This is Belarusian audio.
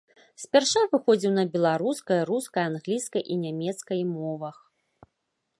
Спярша выходзіў на беларускай, рускай, англійскай і нямецкай мовах.